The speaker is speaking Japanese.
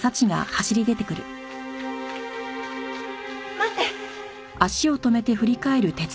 待って！